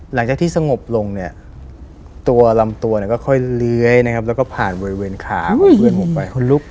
หลังจากที่สงบลงเนี่ยตัวลำตัวเนี่ยก็ค่อยเลื้อยนะครับแล้วก็ผ่านบริเวณขาของเพื่อนผมไปลุก